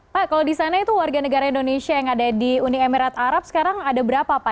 pak kalau di sana itu warga negara indonesia yang ada di uni emirat arab sekarang ada berapa pak